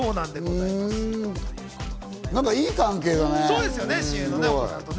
いい関係だね。